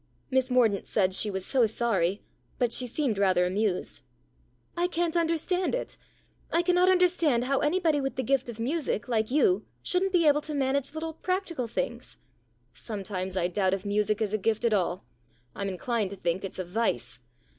Miss Mordaunt said she was so sorry, but she seemed rather amused. " I can't understand it. I cannot understand how anybody with the gift of music, like you, shouldn't be able to manage little practical things." " Sometimes I doubt if music is a gift at all. I'm inclined to think it's a vice.